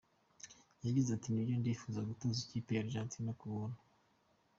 Yagize ati “Nibyo ndifuza gutoza ikipe ya Argentina ku buntu.